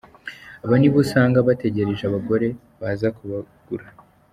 Abo nibo usanga bategereje abagore baza kubagura.